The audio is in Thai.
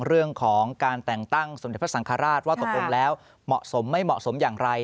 เรื่องของการแต่งตั้งสมเด็จพระสังฆราชว่าตกลงแล้วเหมาะสมไม่เหมาะสมอย่างไร